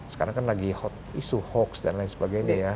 sekarang kan lagi isu hoax dan lain sebagainya ya